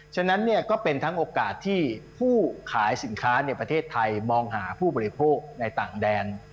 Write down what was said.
ฉะนั้นก็เป็นทั้งโอกาสที่ผู้ขายสินค้าในประเทศไทยมองหาผู้บริโภคในต่างแดน